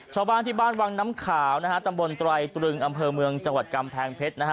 ชาวบ้านที่บ้านวังน้ำขาวนะฮะตำบลไตรตรึงอำเภอเมืองจังหวัดกำแพงเพชรนะฮะ